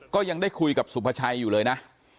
ก็ยังได้คุยกับสุภาชัยอยู่เลยนะ